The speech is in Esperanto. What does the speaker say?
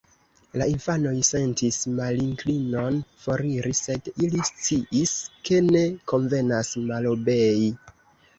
La infanoj sentis malinklinon foriri, sed ili sciis, ke ne konvenas malobei.